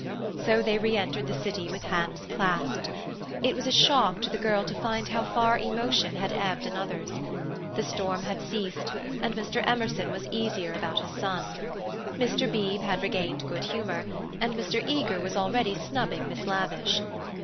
So they re entered the city with hands clasped. It was a shock to the girl to find how far emotion had ebbed in others. The storm had ceased, and Mr. Emerson was easier about his son. Mr. Beebe had regained good humour, and Mr. Eager was already snubbing Miss Lavish.